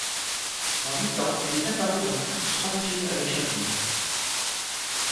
En huit ans, elle est apparue dans plus de trente films avec Chaplin.